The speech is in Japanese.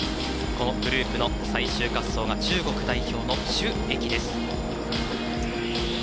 このグループの最終滑走が中国代表の朱易です。